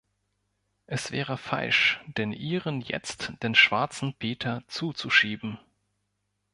Es wäre falsch, den Iren jetzt den schwarzen Peter zuzuschieben.